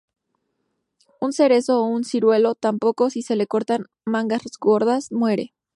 Un Cerezo o un Ciruelo, tampoco, si se le cortan ramas gordas muere.